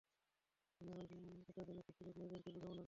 ঘৃনা হয় এটা জেনে কিছু লোক মেয়েদেরকে বোঝ মনে করে!